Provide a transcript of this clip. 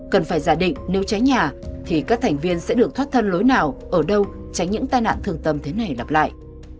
cần phải giả định nếu cháy nhà thì các thành viên sẽ được thoát thân lối nào ở đâu tránh những tai nạn thường tâm thế này lặp lại